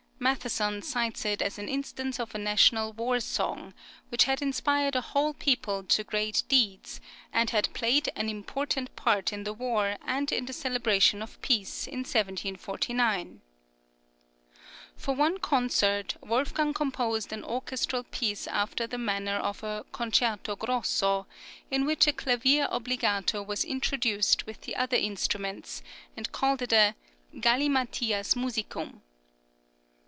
Mattheson cites it as an instance of a national war song, which had inspired a whole people to great deeds, and had played an important part in the war and in the celebration of peace, in 1749.[20042] For one concert, Wolfgang composed an orchestral piece after the manner of a "Concerto grosso," in which a clavier obbligato was introduced with the other instruments and called it a "Galimathias musicum."